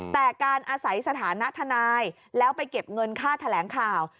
แต่การอาศัยสถานะทนายแล้วไปเก็บเงินค่าแถลงข่าว